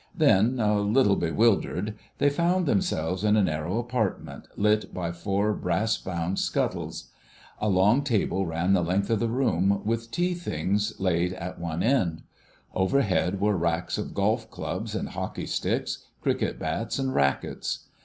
Then, a little bewildered, they found themselves in a narrow apartment, lit by four brass bound scuttles. A long table ran the length of the room, with tea things laid at one end; overhead were racks of golf clubs and hockey sticks, cricket bats and racquets.